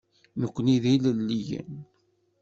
Nekkni d ilelliyen.